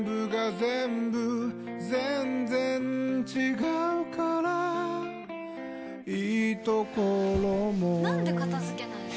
全然違うからいいところもなんで片付けないの？